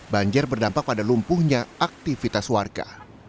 banjir berdampak pada lumpuhnya aktivitas warga